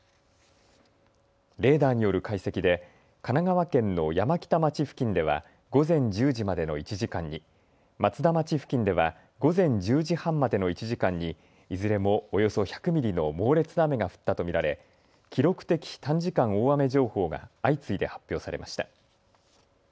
レーダーによる解析で神奈川県の山北町付近では午前１０時までの１時間に、松田町付近では午前１０時半までの１時間にいずれもおよそ１００ミリの猛烈な雨が降ったと見られ記録的短時間大雨情報が相次いで発表されました。